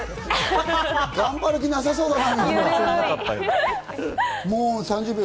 頑張る気なさそうだな。